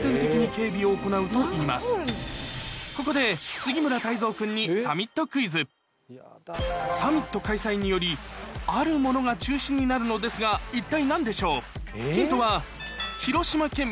ここで杉村太蔵君にサミット開催によりあるものが中止になるのですが一体何でしょう？